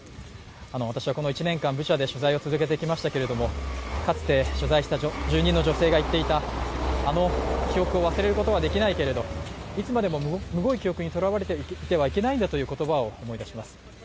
私はこの１年間、ブチャで取材を続けてきましたけれどもかつて取材した住人の女性が言っていた、あの記憶を忘れることはできないけれど、いつまでもむごい記憶にとらわれて生きていてはいけないんだという言葉を思い出します。